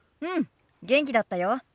うん元気だったよ。